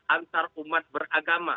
antar umat beragama